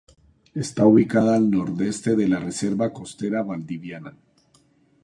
Está ubicada al noreste de la Reserva Costera Valdiviana.